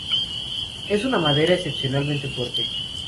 Es una madera excepcionalmente fuerte.